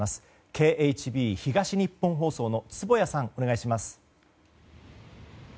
ＫＨＢ東日本放送の坪谷さん、お願いします。